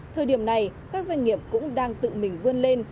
thời điểm này các doanh nghiệp cũng đang tự mình vươn lên